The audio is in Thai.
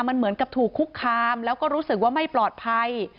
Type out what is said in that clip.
มันเหมือนกับถูกคุกคามแล้วก็รู้สึกว่าไม่ปลอดภัย